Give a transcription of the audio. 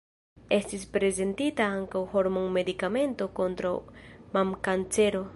Estis prezentita ankaŭ hormon-medikamento kontraŭ mamkancero.